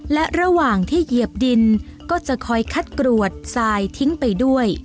และระหว่างที่เหยียบดินก็จะคอยคัดกรวดทรายทิ้งไปด้วย